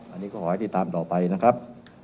อันนี้ก็ขอให้ติดตามต่อไปนะครับ